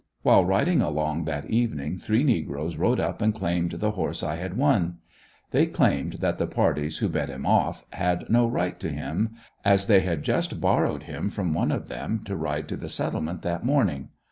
While riding along that evening three negroes rode up and claimed the horse I had won. They claimed that the parties who bet him off had no right to him, as they just had borrowed him from one of them to ride to the Settlement that morning.